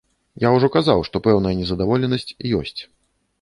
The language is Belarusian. Я ўжо казаў, што пэўная незадаволенасць ёсць.